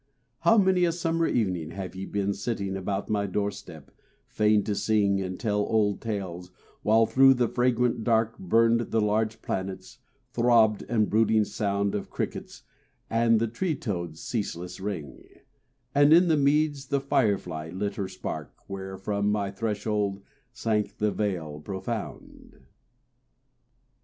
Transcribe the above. How many a summer evening have ye been Sitting about my door step, fain to sing And tell old tales, while through the fragrant dark Burned the large planets, throbbed the brooding sound Of crickets and the tree toads' ceaseless ring; And in the meads the fire fly lit her spark Where from my threshold sank the vale profound.